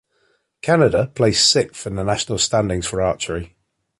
Canada placed sixth in the national standings for archery.